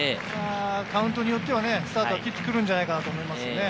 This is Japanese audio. カウントによってはスタートを切ってくるんじゃないかと思いますね。